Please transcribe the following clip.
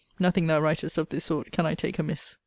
Nothing thou writest of this sort can I take amiss.